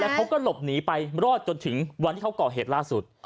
เขาก็หลบหนีไปรอดจนถึงวันที่เขาก่อเหตุล่าสุด